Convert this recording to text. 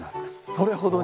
それほどに！